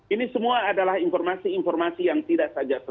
ini semua adalah informasi informasi yang tidak diambil oleh bpn